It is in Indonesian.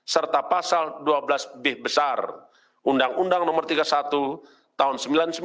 serta pasal dua belas b besar undang undang no tiga puluh satu tahun seribu sembilan ratus sembilan puluh sembilan